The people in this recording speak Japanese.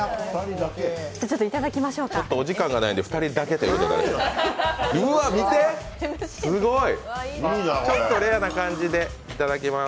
ちょっとお時間がないので２人だけということになります。